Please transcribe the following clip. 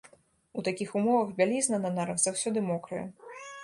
У такіх умовах бялізна на нарах заўсёды мокрая.